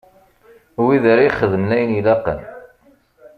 Wid ara ixedmen ayen ilaqen.